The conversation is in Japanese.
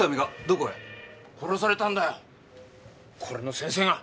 これの先生が。